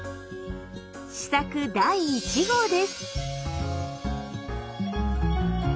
試作第１号です。